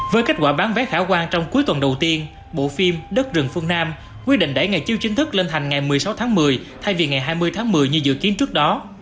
với kết quả bán vé khả quan trong cuối tuần đầu tiên bộ phim đất rừng phương nam quyết định đẩy ngày chiêu chính thức lên thành ngày một mươi sáu tháng một mươi thay vì ngày hai mươi tháng một mươi như dự kiến trước đó